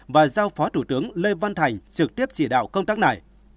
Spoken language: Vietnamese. và giao phó thủ tướng lê văn thành trực tiếp chỉ đạo công tác này